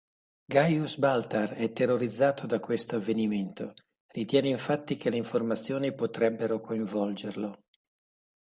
Gaius Baltar è terrorizzato da questo avvenimento, ritiene infatti che le informazioni potrebbero coinvolgerlo.